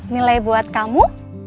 nilai buat kamu